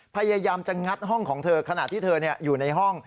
พยายามจะงัดห้องของเธอขณะที่เธออยู่ในห้อง